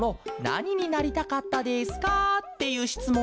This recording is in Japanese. なにになりたかったですか？」っていうしつもんだケロ。